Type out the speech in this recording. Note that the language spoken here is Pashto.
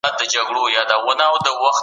د بدن دفاعي ځواک پياوړی کړه